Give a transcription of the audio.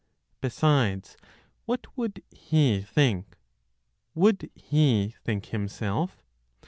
Besides, what would He think? Would He think Himself?